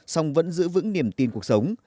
song vẫn giữ vững niềm tin cuộc sống